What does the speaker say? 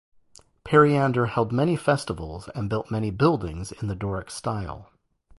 Periander held many festivals and built many buildings in the Doric style.